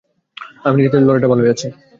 আমি নিশ্চিত লরেটা ভালোই আছে।